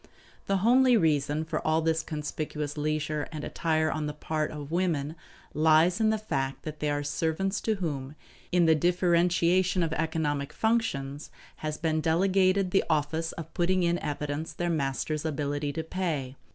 The homely reason for all this conspicuous leisure and attire on the part of women lies in the fact that they are servants to whom, in the differentiation of economic functions, has been delegated the office of putting in evidence their master's ability to pay.